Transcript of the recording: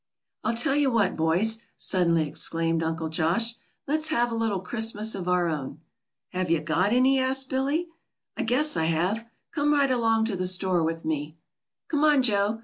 "I'll tell you what, boys," suddenly exclaimed Uncle Josh, "let's have a little Christmas of our own." "Have you got any?" asked Billy. "I guess I have. Come right along to the store with me." "Come on, Joe.